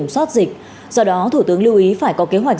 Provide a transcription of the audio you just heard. soát dịch do đó thủ tướng lưu ý phải có kế hoạch